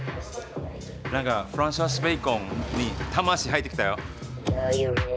なんかフランシス・ベーコンの魂入ってきたよ。